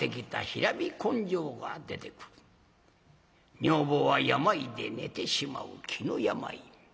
女房は病で寝てしまう気の病。